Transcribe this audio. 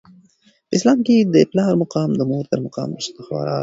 په اسلام کي د پلار مقام د مور تر مقام وروسته خورا لوړ دی.